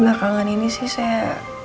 belakangan ini sih saya